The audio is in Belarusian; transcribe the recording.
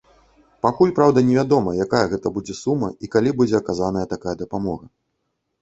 Пакуль, праўда, невядома, якая гэта будзе сума і калі будзе аказаная такая дапамога.